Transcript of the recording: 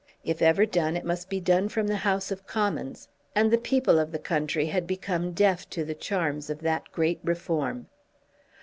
If ever done it must be done from the House of Commons; and the people of the country had become deaf to the charms of that great reform.